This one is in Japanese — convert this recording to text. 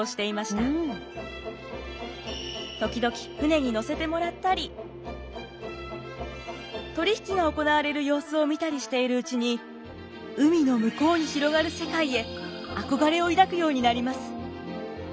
時々船に乗せてもらったり取り引きが行われる様子を見たりしているうちに海の向こうに広がる世界へ憧れを抱くようになります。